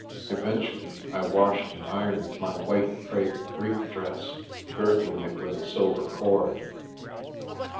Eventually I washed and ironed my white crepe Greek dress, girdling it with a silver cord.